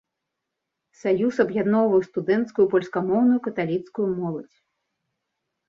Саюз аб'ядноўваў студэнцкую польскамоўную каталіцкую моладзь.